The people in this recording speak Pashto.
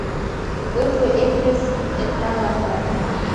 اوټو ایفز اطلاع ورکړه.